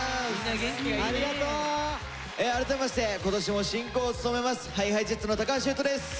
改めまして今年も進行を務めますＨｉＨｉＪｅｔｓの橋優斗です。